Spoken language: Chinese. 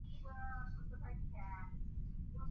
天主教古比奥教区是天主教会在义大利的一个教区。